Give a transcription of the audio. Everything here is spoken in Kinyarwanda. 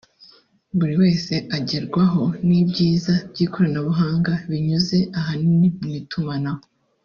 buri wese agerwaho n’ibyiza by’ikoranabuhanga binyuze ahanini mu itumanaho